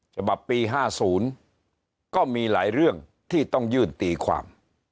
ฉบับปี๕๐ก็มีหลายเรื่องที่ต้องยื่นตีความ